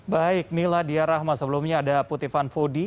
baik mila diyarahma sebelumnya ada putifan fodi